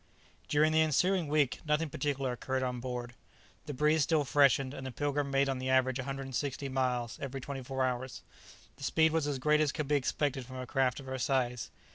During the ensuing week nothing particular occurred on board. The breeze still freshened, and the "Pilgrim" made on the average 160 miles every twenty four hours. The speed was as great as could be expected from a craft of her size.